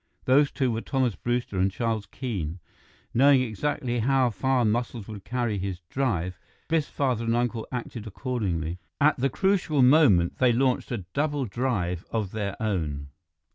Those two were Thomas Brewster and Charles Keene. Knowing exactly how far Muscles could carry his drive, Biff's father and uncle acted accordingly. At the crucial moment, they launched a double drive of their own.